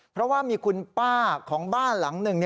เพราะว่ามีคุณป้าของบ้านหลังหนึ่ง